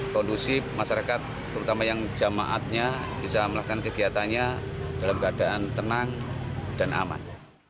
kondusif masyarakat terutama yang jemaatnya bisa melaksanakan kegiatannya dalam keadaan tenang dan aman